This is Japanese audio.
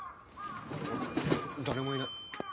誰もいない。